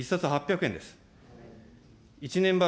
１冊８００円です。